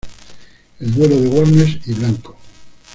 El duelo de Warnes y Blanco.